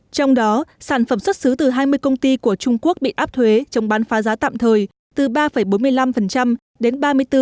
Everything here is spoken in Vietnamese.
trong đó sản phẩm xuất xứ từ hai mươi công ty của trung quốc bị áp thuế chống bán phá giá tạm thời từ ba bốn mươi năm đến ba mươi bốn bốn